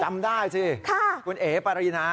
จำได้สิคุณเอ๋ปารีนา